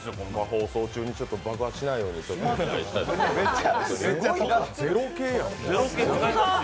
放送中に爆発しないようにお願いしたいと思います。